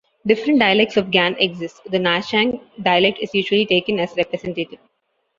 Different dialects of Gan exist; the Nanchang dialect is usually taken as representative.